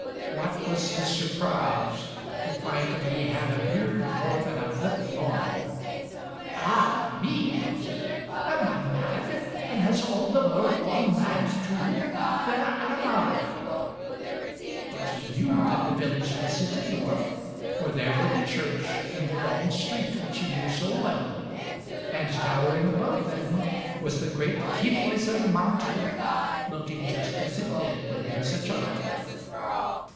What was his surprise to find that he had a beard more than a foot long ! "Ah, me! " thought he. " Am I mad, and has all the world gone mad too ? Where am I ?" But he knew that the village was Sittendorf — for there were the church and the long street which he knew so well, and towering above them was the great Kyffhauser Mountain looking just as it did when he was a child.